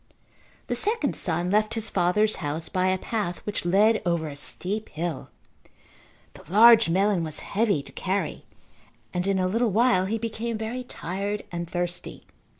The second son left his father's house by a path which led over a steep hill. The large melon was heavy to carry and in a little while he became very tired and thirsty.